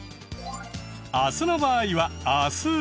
明日の場合は「明日」。